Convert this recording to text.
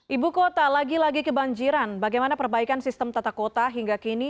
ibu kota lagi lagi kebanjiran bagaimana perbaikan sistem tata kota hingga kini